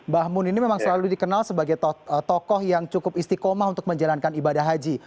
bahmun ini memang selalu dikenal sebagai tokoh yang cukup istiqomah untuk menjalankan ibadah haji